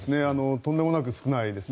とんでもなく少ないですね。